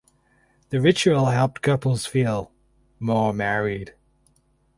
The ritual helped couples feel "more married".